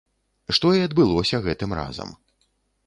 Што і адбылося гэтым разам.